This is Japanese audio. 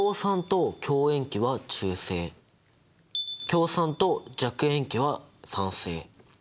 強酸と弱塩基は酸性。